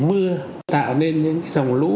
mưa tạo nên những cái dòng lũ